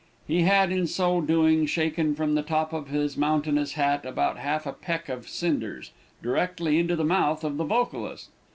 He had in so doing shaken from the top of his mountainous hat about half a peck of cinders, directly into the mouth of the vocalist.